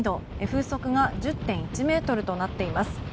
風速が１０．１メートルとなっています。